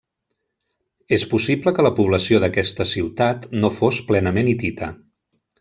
És possible que la població d'aquesta ciutat no fos plenament hitita.